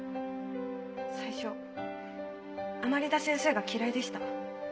最初甘利田先生が嫌いでした。